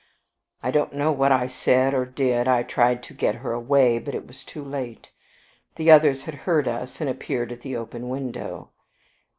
I don't know what I said or did; I tried to get her away, but it was too late. The others had heard us, and appeared at the open window.